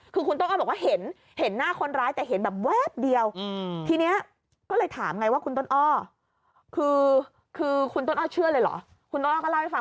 คือคุณต้นอ้อบอกว่าเห็น